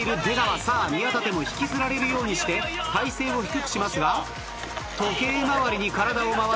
さあ宮舘も引きずられるようにして体勢を低くしますが時計回りに体を回して何とレスリングスタイル。